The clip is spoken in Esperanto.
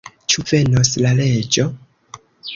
Ĉu venos la reĝo?